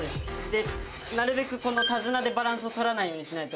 でなるべくこの手綱でバランスを取らないようにしないと。